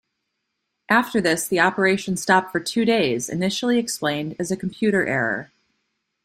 After this, the operations stopped for two days, initially explained as a computer error.